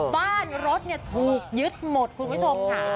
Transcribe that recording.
บ้านรถถูกยึดหมดคุณผู้ชมค่ะ